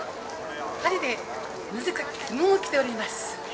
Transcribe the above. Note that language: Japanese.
「パリでなぜか着物着ております」